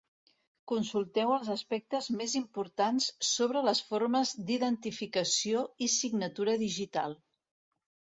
Consulteu els aspectes més importants sobre les formes d'identificació i signatura digital.